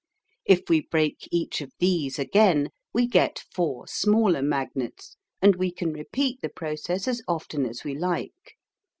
If we break each of these again, we get four smaller magnets, and we can repeat the process as often as we like.